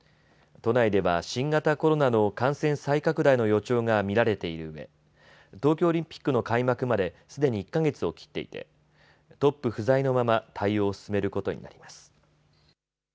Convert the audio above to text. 都内では新型コロナの感染再拡大の予兆が見られているうえ東京オリンピックの開幕まですでに１か月を切っていてトップ不在のまま、対応を進めることになります。